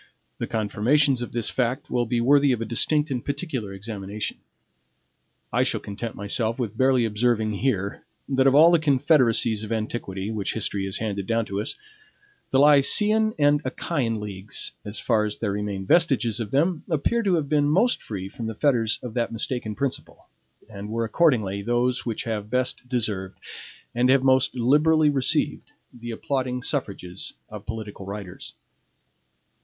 The confirmations of this fact will be worthy of a distinct and particular examination. I shall content myself with barely observing here, that of all the confederacies of antiquity, which history has handed down to us, the Lycian and Achaean leagues, as far as there remain vestiges of them, appear to have been most free from the fetters of that mistaken principle, and were accordingly those which have best deserved, and have most liberally received, the applauding suffrages of political writers.